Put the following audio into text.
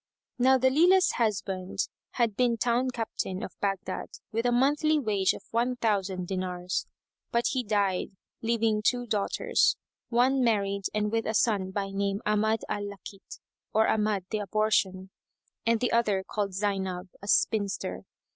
Now Dalilah's husband had been town captain of Baghdad with a monthly wage of one thousand dinars; but he died leaving two daughters, one married and with a son by name Ahmad al Lakít[FN#181] or Ahmad the Abortion; and the other called Zaynab, a spinster.